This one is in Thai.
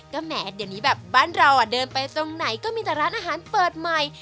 ก็แหมเดี๋ยวนี้แบบบ้านเราเดินไปตรงไหนก็มีแต่ร้านอาหารเปิดใหม่